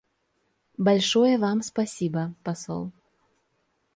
Большое Вам спасибо, посол.